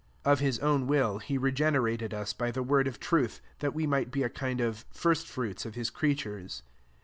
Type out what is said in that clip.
18 Of his own will he regenerated us by the word of truth, that we might be a kind of first fruits qf his creatures.